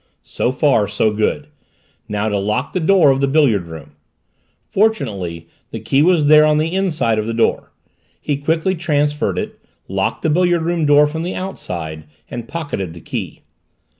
So far, so good now to lock the door of the billiard room. Fortunately, the key was there on the inside of the door. He quickly transferred it, locked the billiard room door from the outside, and pocketed the key.